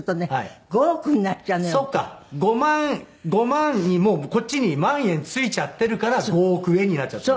５万にもうこっちに「万円」付いちゃってるから５億円になっちゃった。